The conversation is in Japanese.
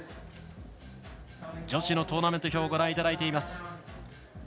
女子のトーナメント表です。